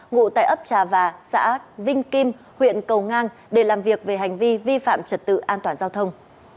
ngụ tại ấp trà và xã vinh kim huyện cầu ngang để làm việc về hành vi vi phạm trật tự an toàn giao thông